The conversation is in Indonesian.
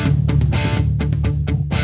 aku mau ke sana